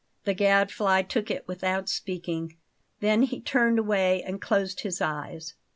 The Gadfly took it without speaking. Then he turned away and closed his eyes.